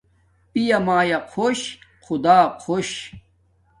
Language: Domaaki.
پیا مایا خوش خدا خوش